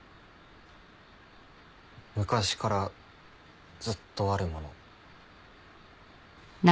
昔からずっとあるもの。